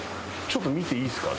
ちょっと見ていいですか？